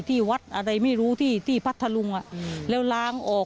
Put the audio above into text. ที่วัดอะไรไม่รู้ที่ที่พัทธลุงแล้วล้างออก